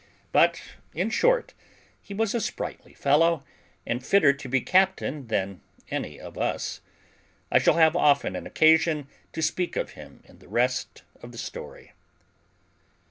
But, in short, he was a sprightly fellow, and fitter to be captain than any of us. I shall have often an occasion to speak of him in the rest of the story.